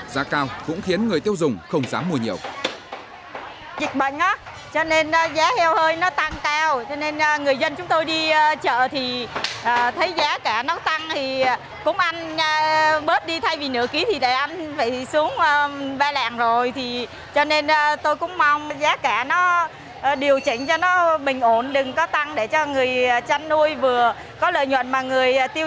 giá cao cũng khiến người tiêu dùng không dám mua nhiều